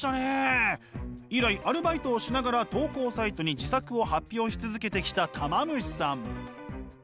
以来アルバイトをしながら投稿サイトに自作を発表し続けてきたたま虫さん。